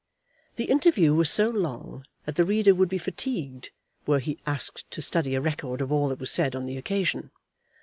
The interview was so long that the reader would be fatigued were he asked to study a record of all that was said on the occasion.